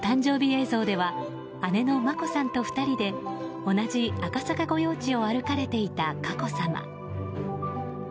映像では姉の眞子さんと２人で同じ赤坂御用地を歩かれていた佳子さま。